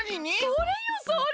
それよそれ！